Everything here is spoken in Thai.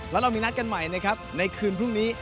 แล้วเรามีนัดกันใหม่นะครับในคืนพรุ่งนี้